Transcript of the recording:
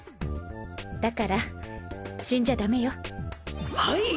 だから死んじゃダメよはい！